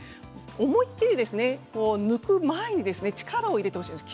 思い切り抜く前に力を入れてほしいんです。